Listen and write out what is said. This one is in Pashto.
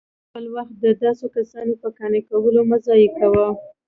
نو خپل وخت د داسي كسانو په قانع كولو مه ضايع كوه